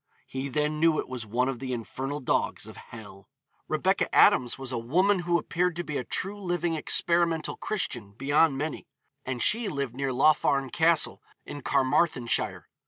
'He then knew it was one of the infernal dogs of hell.' Rebecca Adams was 'a woman who appeared to be a true living experimental Christian, beyond many,' and she lived near Laugharne Castle, in Carmarthenshire.